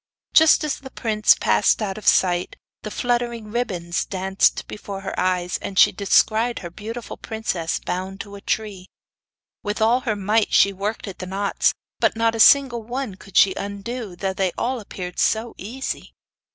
Just as the prince passed out of sight the fluttering ribbons dance before her eyes, and she descried her beautiful princess bound to a tree. With all her might she worked at the knots, but not a single one could she undo, though all appeared so easy.